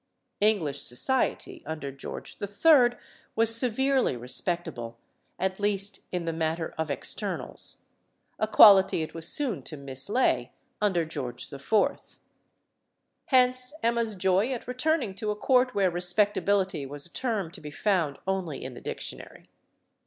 English society under George III. was severely respectable at least in the matter of externals; a quality it was soon to mislay, under George IV. Hence Emma's joy at returning to a court where respectability was a term to be found only in the dictionary.